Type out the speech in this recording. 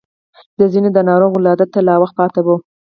د ځينو د ناروغ ولادت ته لا وخت پاتې و.